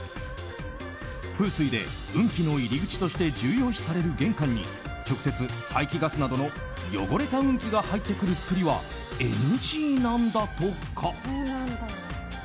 風水で運気の入り口として重要視される玄関に直接、排気ガスなどの汚れた運気が入ってくる作りはＮＧなんだとか。